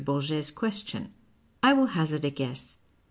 Bourget's question. I will hazard a guess.